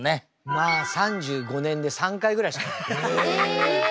まあ３５年で３回ぐらいしかない。え！？